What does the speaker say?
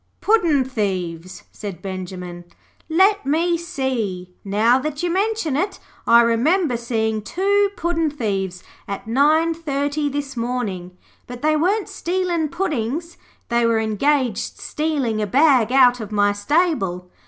'Puddin' thieves,' said Benjimen. 'Let me see. Now that you mention it, I remember seeing two puddin' thieves at nine thirty this morning. But they weren't stealing puddin's. They were engaged stealing a bag out of my stable.